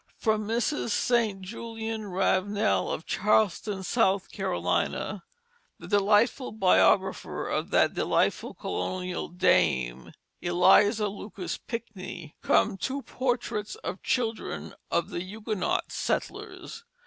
From Mrs. St. Julian Ravenel of Charleston, South Carolina, the delightful biographer of that delightful colonial dame, Eliza Lucas Pinckney, come two portraits of children of the Huguenot settlers.